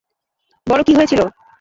বল কী হয়েছিল।